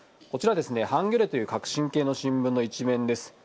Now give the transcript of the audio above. こちら、ハンギョレという革新系の新聞の１面です。